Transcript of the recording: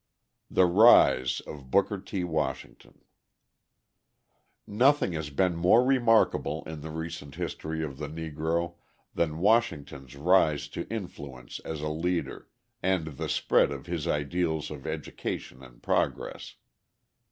The Rise of Booker T. Washington Nothing has been more remarkable in the recent history of the Negro than Washington's rise to influence as a leader, and the spread of his ideals of education and progress.